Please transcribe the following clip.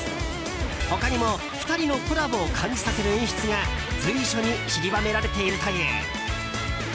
他にも、２人のコラボを感じさせる演出が随所に散りばめられているという。